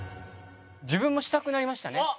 自分もしたくなりましたね